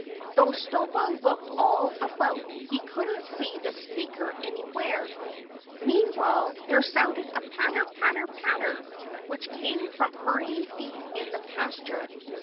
Though Snowball looked all about he couldn't see the speaker anywhere. Meanwhile there sounded a patter, patter! patter! which came from hurrying feet in the pasture.